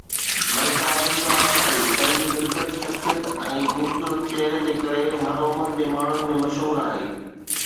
ملڪه بشرا انصاري پنهنجي دلڪش شخصيت ۽ خوبصورت چهري جي ڪري هر عمر جي ماڻهن ۾ مشهور آهي